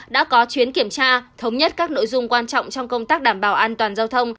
đã có chuyến kiểm tra thống nhất các nội dung quan trọng trong công tác đảm bảo an toàn giao thông